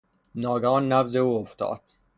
ناگهان نبض او افتاد.